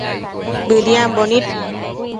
Bëdiambo nid